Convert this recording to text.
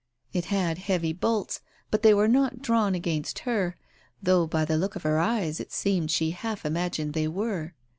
It had heavy bolts, but they were not drawn against her, though by the look of her eyes it seemed she half imagined they were.